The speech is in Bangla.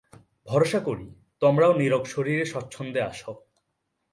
ভরসা করি, তোমরাও নীরোগ শরীরে স্বচ্ছন্দে আছ।